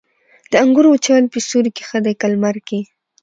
د انګورو وچول په سیوري کې ښه دي که لمر کې؟